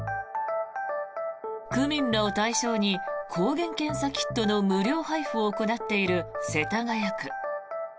区民らを対象に抗原検査キットの無料配布を行っている世田谷区。